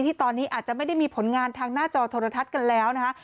ที่ตอนนี้อาจจะไม่ได้มีผลงานทางหน้าจอโทรทัศน์กันแล้วนะคะ